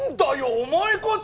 お前こそ！